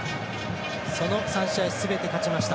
その３試合すべて勝ちました。